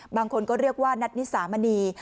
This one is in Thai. บางคนก็เรียกว่านัทนิสามณี